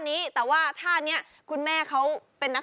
นี่ตัวอ่อนมาก